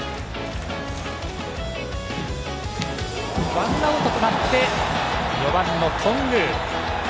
ワンアウトとなって４番、頓宮。